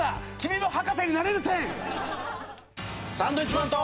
サンドウィッチマンと。